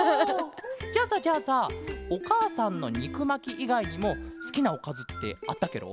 じゃあさじゃあさおかあさんのにくまきいがいにもすきなおかずってあったケロ？